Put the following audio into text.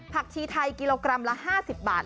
ชีไทยกิโลกรัมละ๕๐บาท